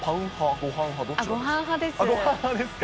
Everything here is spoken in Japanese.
ごはん派、どちらですか？